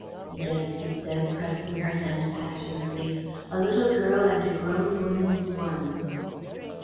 "Yes," he said, pressing her hand passionately, "a little girl and a grown woman in one."